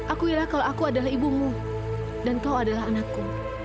aku ira kalau aku adalah ibumu dan kau adalah anakku